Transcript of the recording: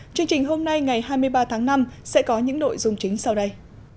chương trình hôm nay ngày hai mươi ba tháng năm sẽ có những nội dung chính sau đây